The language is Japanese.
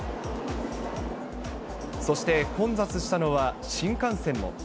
そして、混雑したのは新幹線も。